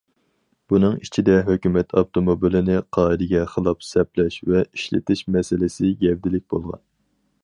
بۇنىڭ ئىچىدە ھۆكۈمەت ئاپتوموبىلىنى قائىدىگە خىلاپ سەپلەش ۋە ئىشلىتىش مەسىلىسى گەۋدىلىك بولغان.